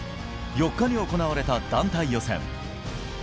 ４日に行われた団体予選。